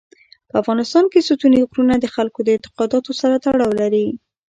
په افغانستان کې ستوني غرونه د خلکو د اعتقاداتو سره تړاو لري.